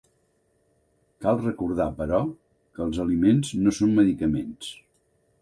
Cal recordar però, que els aliments no són medicaments.